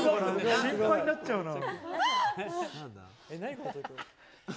心配になっちゃうなぁ。